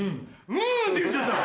「うん」って言っちゃった。